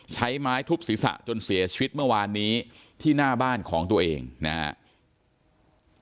ใช้ไม้ทุบศีรษะจนเสียชีวิตเมื่อวานนี้ที่หน้าบ้านของตัวเองนะครับ